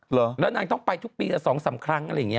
เหรอแล้วนางต้องไปทุกปีละ๒๓ครั้งอะไรอย่างนี้